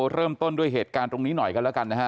เริ่มต้นด้วยเหตุการณ์ตรงนี้หน่อยกันแล้วกันนะฮะ